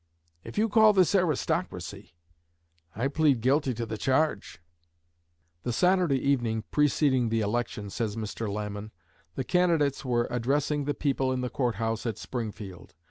If you call this aristocracy, I plead guilty to the charge.'" "The Saturday evening preceding the election," says Mr. Lamon, "the candidates were addressing the people in the Court House at Springfield.